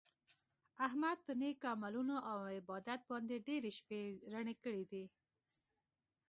احمد په نېکو عملونو او عبادت باندې ډېرې شپې رڼې کړي دي.